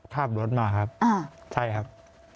ขับรถมาครับใช่ครับ